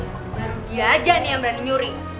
baru dia aja nih yang berani nyuri